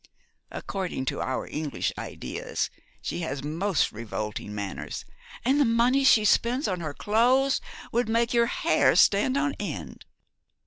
According to our English ideas she has most revolting manners, and the money she spends on her clothes would make your hair stand on end.